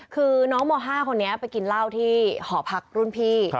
คือน้องม๕คนนี้ไปกินเหล้าที่หอพักรุ่นพี่